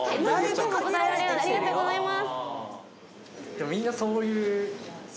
お答えありがとうございます